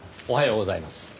おはようございます。